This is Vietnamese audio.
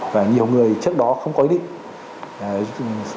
và nhiều người trước đó không có ý định